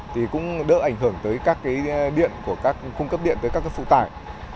thì cũng đỡ ảnh hưởng tới các khung cấp điện các phụ tải